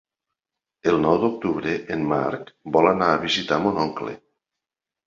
El nou d'octubre en Marc vol anar a visitar mon oncle.